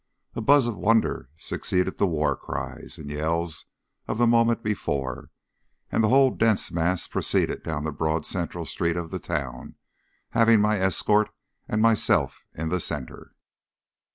A buzz of wonder succeeded the war cries and yells of the moment before, and the whole dense mass proceeded down the broad central street of the town, having my escort and myself in the centre.